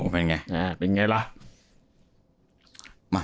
เป็นไงล่ะ